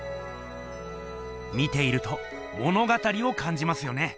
見ていると物語をかんじますよね。